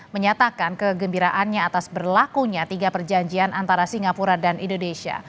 menyatakan kegembiraannya atas berlakunya tiga perjanjian antara singapura dan indonesia